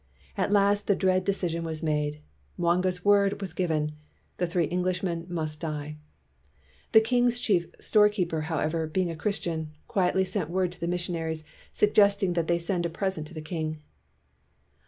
At last the dread decision was made, Mwanga's word was given. The three Englishmen must die. The king's chief storekeeper, however, being a Christian, quietly sent word 227 WHITE MAN OF WORK to the missionaries suggesting that they send a present to the king.